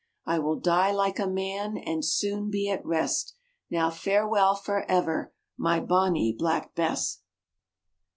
I will die like a man And soon be at rest; Now, farewell forever, My Bonnie Black Bess.